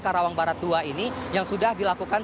karawang barat dua ini yang sudah dilakukan